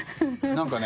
何かね。